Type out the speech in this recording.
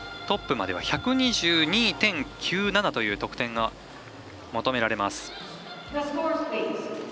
トップまでは１２２．９７という得点が求められます。